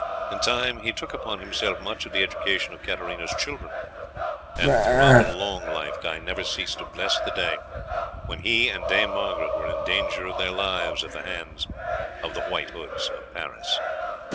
In time he took upon himself much of the education of Katarina's children, and throughout a long life Guy never ceased to bless the day when he and Dame Margaret were in danger of their lives at the hands of the White Hoods of Paris.